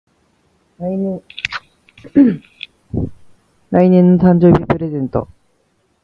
来年の誕生日プレゼント